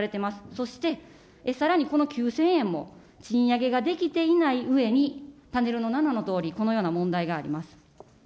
そして、さらにこの９０００円も、賃上げができていないうえにパネルの７のとおり、このような問題があります。